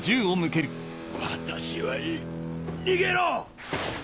私はいい逃げろ！